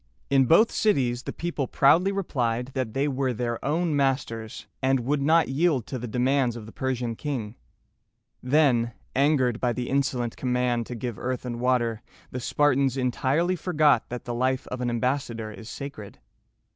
In both cities the people proudly replied that they were their own masters, and would not yield to the demands of the Persian king. Then, angered by the insolent command to give earth and water, the Spartans entirely forgot that the life of an ambassador is sacred.